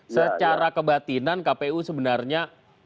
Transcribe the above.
secara kebatinan kpu sebenarnya